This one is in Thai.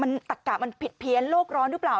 ตักกะมันผิดเพี้ยนโรคร้อนรึเปล่า